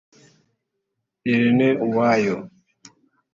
Irene Uwoya